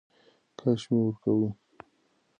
کش مي ورکوی .